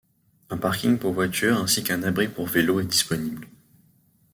Un parking pour voitures ainsi qu'un abri pour vélos est disponible.